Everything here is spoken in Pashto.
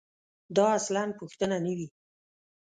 دا اصلاً پوښتنه نه وي.